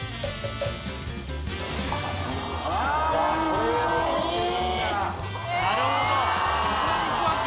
・なるほど！